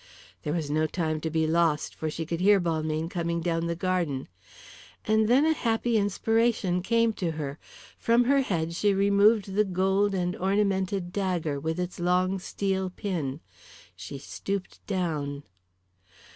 There was no time to be lost, for she could hear Balmayne coming down the garden. And then a happy inspiration came to her. From her head she removed the gold and ornamented dagger, with its long steel pin. She stooped down.